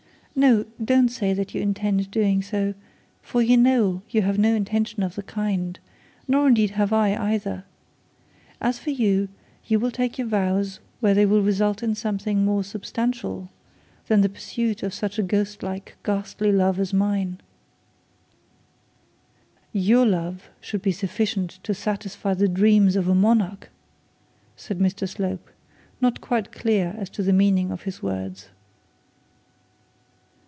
No; don't say that you intend doing so, for you know you have no intention of the kind; nor indeed have I either. As for you, you will take your vows where they will result in something more substantial than the pursuit of such a ghostlike, ghastly love as mine ' 'Your love should be sufficient to satisfy the dream of a monarch,' said Mr Slope, not quite clear as to the meaning of his words.